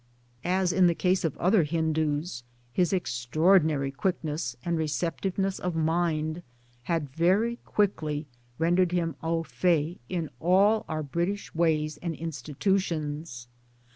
As in the case of other Hindus his extraordinary quickness and receptiveness of mind had very quickly rendered him aa fait in all our British ways and institu tions.